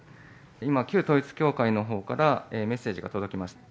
今、旧統一教会のほうからメッセージが届きました。